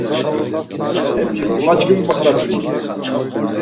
Epçi, cumaçkimi moxtasinon.